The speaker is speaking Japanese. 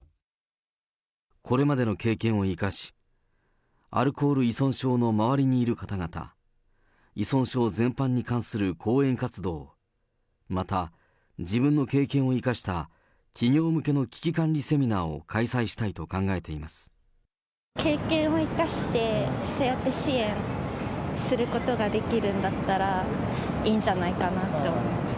これまでの経験を生かし、アルコール依存症の周りにいる方々、依存症全般に関する講演活動、また、自分の経験を生かした企業向けの危機管理セミナーを開催したいと経験を生かして、そうやって支援することができるんだったらいいんじゃないかなって思います。